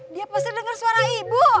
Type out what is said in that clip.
dia pasti dengar suara ibu